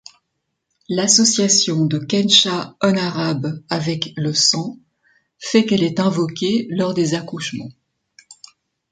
L'association de Kensah Unarabe avec le sang fait qu'elle est invoquée lors des accouchements.